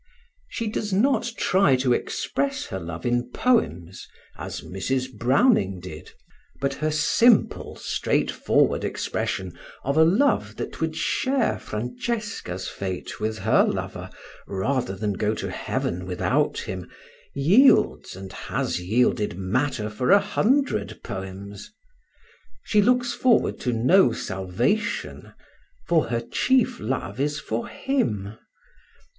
She does not try to express her love in poems, as Mrs. Browning did; but her simple, straightforward expression of a love that would share Francesca's fate with her lover, rather than go to heaven without him, yields, and has yielded, matter for a hundred poems. She looks forward to no salvation; for her chief love is for him.